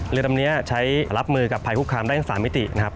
เรือลำนี้ใช้รับมือกับภัยคุกคามได้ทั้ง๓มิตินะครับ